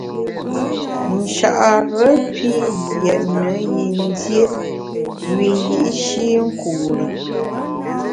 Nchare pi yètne yin dié wiyi’shi nkure.